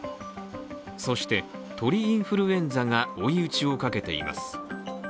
そして鳥インフルエンザが追い打ちをかけています。